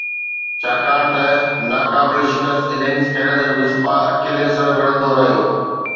ڇاڪاڻ ته ناقابل شڪست اننگز کيڏندڙ مصباح اڪيلي سر وڙهندو رهيو